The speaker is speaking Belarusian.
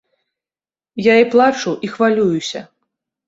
Я і плачу, і хвалююся.